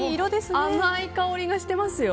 甘い香りがしてますよ。